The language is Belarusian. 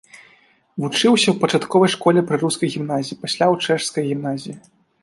Вучыўся ў пачатковай школе пры рускай гімназіі, пасля ў чэшскай гімназіі.